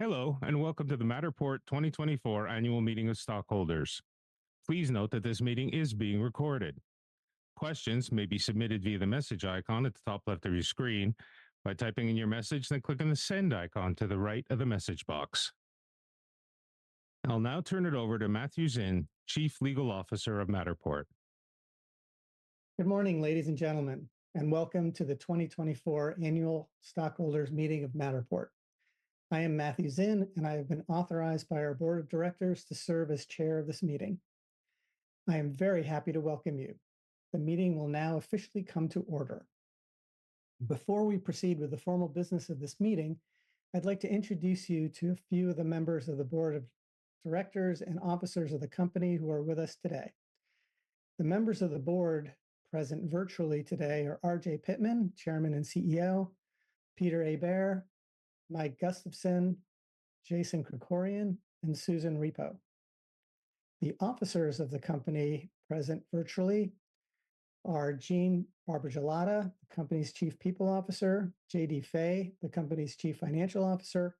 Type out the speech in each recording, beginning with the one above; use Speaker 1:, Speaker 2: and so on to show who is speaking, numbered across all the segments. Speaker 1: Hello, and welcome to the Matterport 2024 Annual Meeting of Stockholders. Please note that this meeting is being recorded. Questions may be submitted via the message icon at the top left of your screen by typing in your message, then clicking the send icon to the right of the message box. I'll now turn it over to Matthew Zinn, Chief Legal Officer of Matterport.
Speaker 2: Good morning, ladies and gentlemen, and welcome to the 2024 Annual Stockholders Meeting of Matterport. I am Matthew Zinn, and I have been authorized by our Board of Directors to serve as Chair of this meeting. I am very happy to welcome you. The meeting will now officially come to order. Before we proceed with the formal business of this meeting, I'd like to introduce you to a few of the members of the Board of Directors and officers of the company who are with us today. The members of the board present virtually today are R.J. Pittman, Chairman and CEO; Peter Hébert; Mike Gustafson; Jason Krikorian; and Susan Repo. The officers of the company present virtually are Jean Barbagelata, the company's Chief People Officer; J.D. Fay, the company's Chief Financial Officer;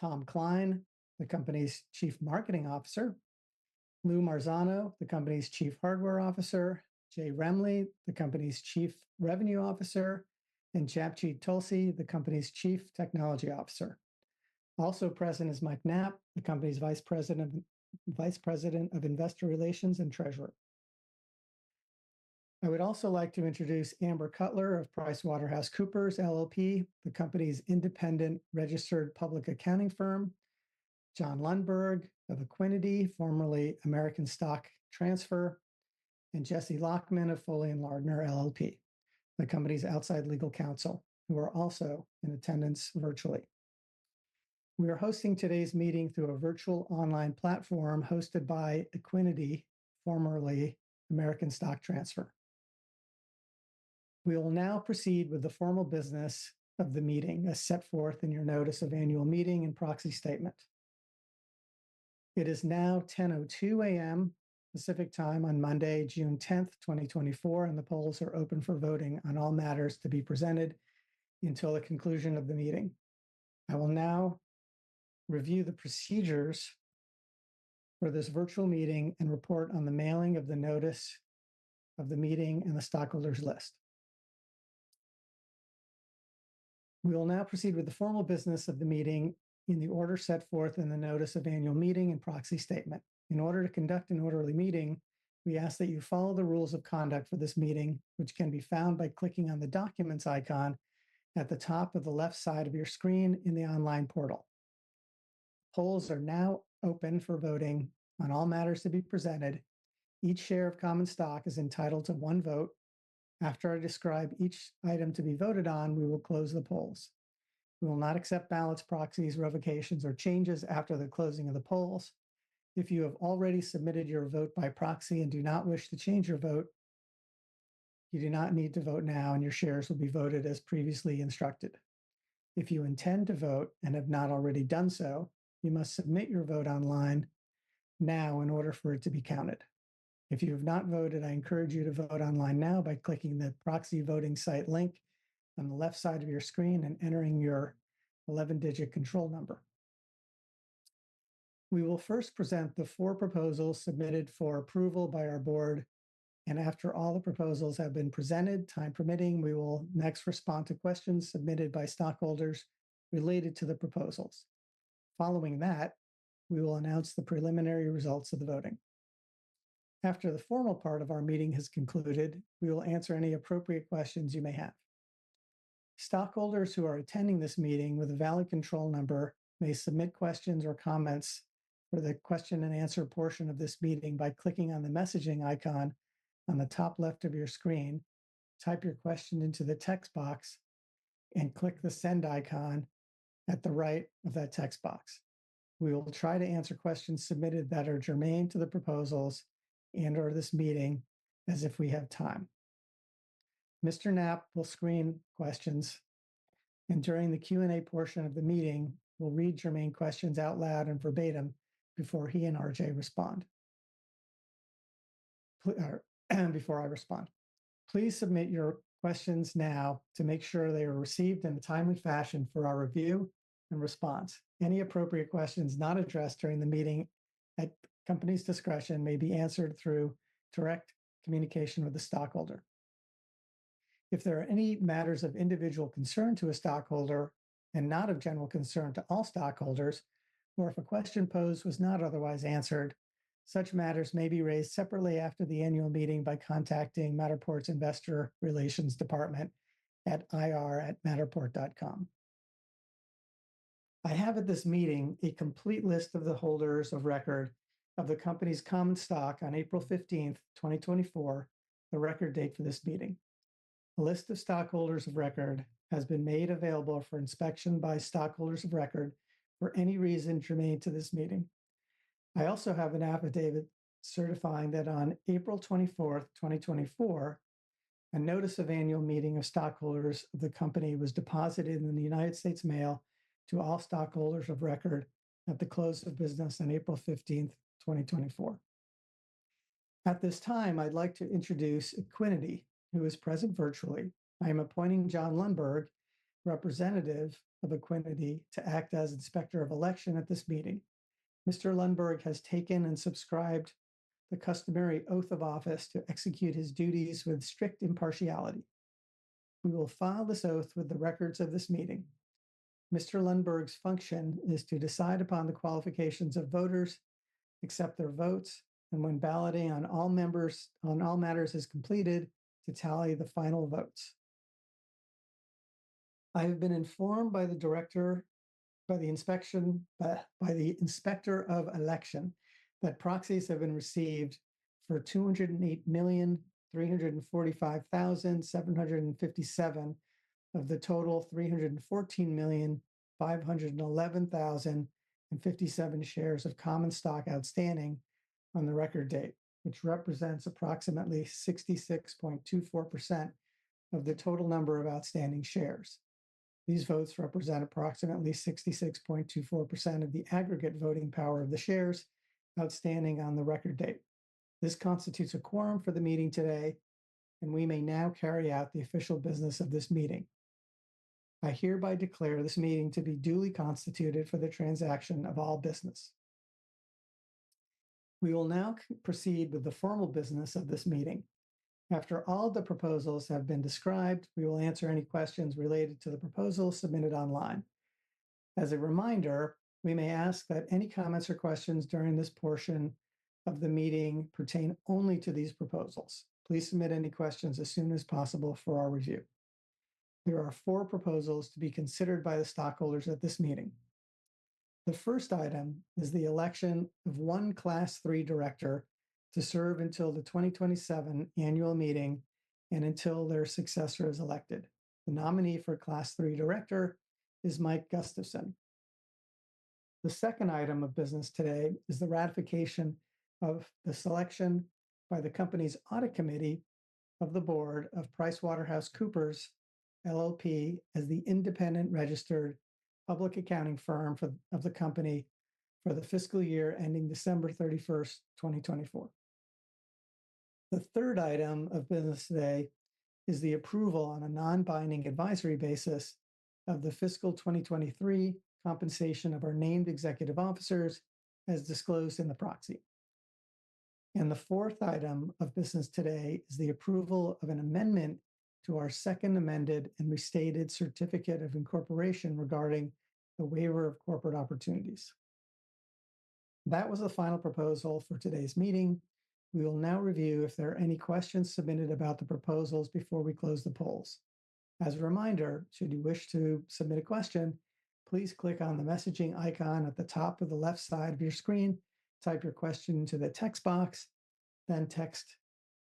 Speaker 2: Tom Klein, the company's Chief Marketing Officer; Lou Marzano, the company's Chief Hardware Officer; J. Remley, the company's Chief Revenue Officer, and Japjit Tulsi, the company's Chief Technology Officer. Also present is Mike Knapp, the company's Vice President of Investor Relations and Treasurer. I would also like to introduce Amber Cutler of PricewaterhouseCoopers LLP, the company's Independent Registered Public Accounting firm, John Lundberg of Equiniti, formerly American Stock Transfer, and Jesse Lachman of Foley & Lardner LLP, the company's outside legal counsel, who are also in attendance virtually. We are hosting today's meeting through a virtual online platform hosted by Equiniti, formerly American Stock Transfer. We will now proceed with the formal business of the meeting as set forth in your Notice of Annual Meeting and Proxy Statement. It is now 10:02 A.M. Pacific Time on Monday, June 10th, 2024, and the polls are open for voting on all matters to be presented until the conclusion of the meeting. I will now review the procedures for this virtual meeting and report on the mailing of the Notice of the Meeting and the Stockholders List. We will now proceed with the formal business of the meeting in the order set forth in the Notice of Annual Meeting and Proxy Statement. In order to conduct an orderly meeting, we ask that you follow the rules of conduct for this meeting, which can be found by clicking on the documents icon at the top of the left side of your screen in the online portal. Polls are now open for voting on all matters to be presented. Each share of common stock is entitled to one vote. After I describe each item to be voted on, we will close the polls. We will not accept ballots, proxies, revocations, or changes after the closing of the polls. If you have already submitted your vote by proxy and do not wish to change your vote, you do not need to vote now, and your shares will be voted as previously instructed. If you intend to vote and have not already done so, you must submit your vote online now in order for it to be counted. If you have not voted, I encourage you to vote online now by clicking the proxy voting site link on the left side of your screen and entering your 11-digit control number. We will first present the four proposals submitted for approval by our board, and after all the proposals have been presented, time permitting, we will next respond to questions submitted by stockholders related to the proposals. Following that, we will announce the preliminary results of the voting. After the formal part of our meeting has concluded, we will answer any appropriate questions you may have. Stockholders who are attending this meeting with a valid control number may submit questions or comments for the question and answer portion of this meeting by clicking on the messaging icon on the top left of your screen, type your question into the text box, and click the send icon at the right of that text box. We will try to answer questions submitted that are germane to the proposals and/or this meeting as if we have time. Mr. Knapp will screen questions, and during the Q&A portion of the meeting, we'll read your main questions out loud and verbatim before he and R.J. respond. Before I respond, please submit your questions now to make sure they are received in a timely fashion for our review and response. Any appropriate questions not addressed during the meeting at the company's discretion may be answered through direct communication with the stockholder. If there are any matters of individual concern to a stockholder and not of general concern to all stockholders, or if a question posed was not otherwise answered, such matters may be raised separately after the annual meeting by contacting Matterport's Investor Relations Department at ir@matterport.com. I have at this meeting a complete list of the holders of record of the company's common stock on April 15th, 2024, the record date for this meeting. A list of stockholders of record has been made available for inspection by stockholders of record for any reason germane to this meeting. I also have an affidavit certifying that on April 24th, 2024, a notice of annual meeting of stockholders of the company was deposited in the United States mail to all stockholders of record at the close of business on April 15th, 2024. At this time, I'd like to introduce Equiniti, who is present virtually. I am appointing John Lundberg, representative of Equiniti, to act as inspector of election at this meeting. Mr. Lundberg has taken and subscribed the customary oath of office to execute his duties with strict impartiality. We will file this oath with the records of this meeting. Mr. Lundberg's function is to decide upon the qualifications of voters, accept their votes, and when balloting on all matters is completed, to tally the final votes. I have been informed by the inspector of election that proxies have been received for 208,345,757 of the total 314,511,057 shares of common stock outstanding on the record date, which represents approximately 66.24% of the total number of outstanding shares. These votes represent approximately 66.24% of the aggregate voting power of the shares outstanding on the record date. This constitutes a quorum for the meeting today, and we may now carry out the official business of this meeting. I hereby declare this meeting to be duly constituted for the transaction of all business. We will now proceed with the formal business of this meeting. After all the proposals have been described, we will answer any questions related to the proposals submitted online. As a reminder, we may ask that any comments or questions during this portion of the meeting pertain only to these proposals. Please submit any questions as soon as possible for our review. There are four proposals to be considered by the stockholders at this meeting. The first item is the election of one Class 3 director to serve until the 2027 annual meeting and until their successor is elected. The nominee for Class 3 director is Mike Gustafson. The second item of business today is the ratification of the selection by the company's audit committee of the board of PricewaterhouseCoopers LLP as the Independent Registered Public Accounting firm of the company for the fiscal year ending December 31st, 2024. The third item of business today is the approval on a non-binding advisory basis of the fiscal 2023 compensation of our named executive officers, as disclosed in the proxy. The fourth item of business today is the approval of an amendment to our Second Amended and Restated Certificate of Incorporation regarding the waiver of corporate opportunities. That was the final proposal for today's meeting. We will now review if there are any questions submitted about the proposals before we close the polls. As a reminder, should you wish to submit a question, please click on the messaging icon at the top of the left side of your screen, type your question into the text box, then click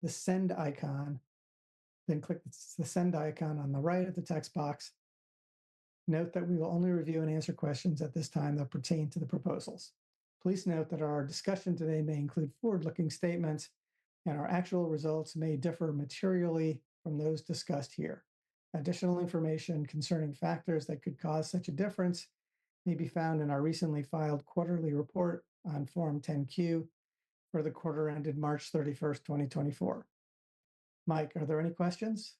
Speaker 2: the send icon, then click the send icon on the right of the text box. Note that we will only review and answer questions at this time that pertain to the proposals. Please note that our discussion today may include forward-looking statements, and our actual results may differ materially from those discussed here. Additional information concerning factors that could cause such a difference may be found in our recently filed quarterly report on Form 10-Q for the quarter ended March 31st, 2024. Mike, are there any questions?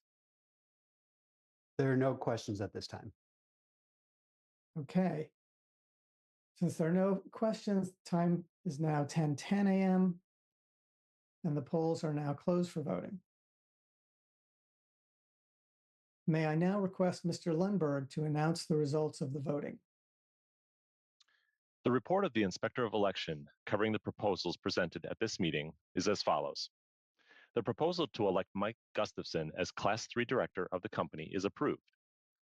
Speaker 3: There are no questions at this time.
Speaker 2: Okay. Since there are no questions, time is now 10:10 A.M., and the polls are now closed for voting. May I now request Mr. Lundberg to announce the results of the voting?
Speaker 4: The report of the inspector of election covering the proposals presented at this meeting is as follows. The proposal to elect Mike Gustafson as Class 3 director of the company is approved,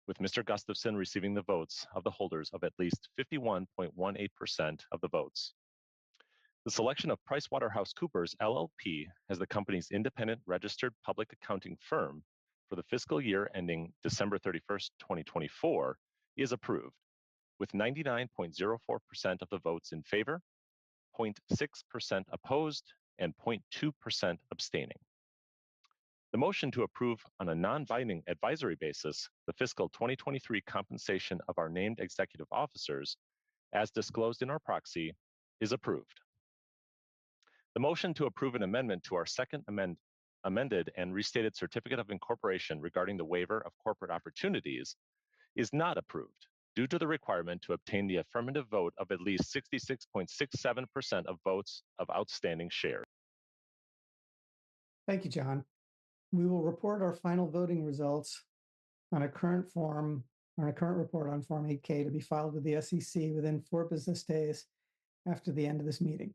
Speaker 4: with Mr. Gustafson receiving the votes of the holders of at least 51.18% of the votes. The selection of PricewaterhouseCoopers LLP, as the company's Independent Registered Public Accounting firm for the fiscal year ending December 31st, 2024, is approved, with 99.04% of the votes in favor, 0.6% opposed, and 0.2% abstaining. The motion to approve on a non-binding advisory basis the fiscal 2023 compensation of our named executive officers, as disclosed in our proxy, is approved. The motion to approve an amendment to our Second Amended and Restated Certificate of Incorporation regarding the waiver of corporate opportunities is not approved due to the requirement to obtain the affirmative vote of at least 66.67% of votes of outstanding shares.
Speaker 2: Thank you, John. We will report our final voting results on a current report on Form 8-K to be filed with the SEC within four business days after the end of this meeting.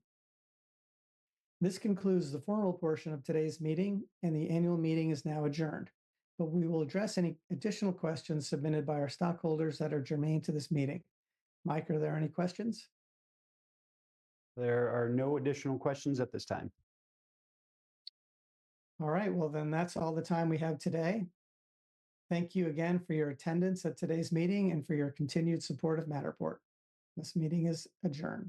Speaker 2: This concludes the formal portion of today's meeting, and the annual meeting is now adjourned, but we will address any additional questions submitted by our stockholders that are germane to this meeting. Mike, are there any questions?
Speaker 3: There are no additional questions at this time.
Speaker 2: All right. Well, then that's all the time we have today. Thank you again for your attendance at today's meeting and for your continued support of Matterport. This meeting is adjourned.